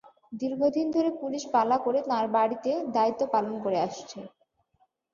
দীর্ঘদিন ধরে পুলিশ পালা করে তাঁর বাড়িতে দায়িত্ব পালন করে আসছে।